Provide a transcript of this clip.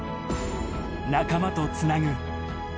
仲間とつなぐ。